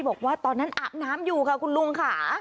บอกว่าตอนนั้นอาบน้ำอยู่ค่ะคุณลุงค่ะ